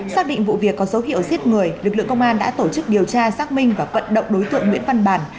xác định vụ việc có dấu hiệu giết người lực lượng công an đã tổ chức điều tra xác minh và vận động đối tượng nguyễn văn bàn